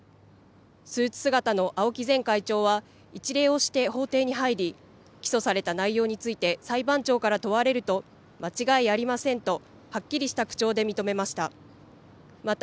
スーツ姿の青木前会長は一礼をして法廷に入り起訴された内容について裁判長から問われると間違いありませんとはっきりした口調で認めました。